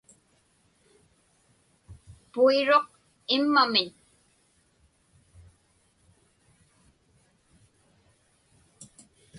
Puiruq immamiñ.